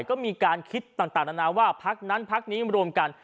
ก็มีการคิดต่างนานาว่าพักนั้นพักนี้รวมกัน